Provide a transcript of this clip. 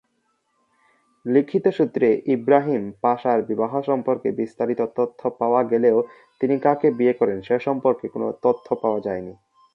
লিখিত সূত্রে ইব্রাহিম পাশার বিবাহ সম্পর্কে বিস্তারিত তথ্য পাওয়া গেলেও তিনি কাকে বিয়ে করেন সে সম্পর্কে কোনও তথ্য পাওয়া যায়নি।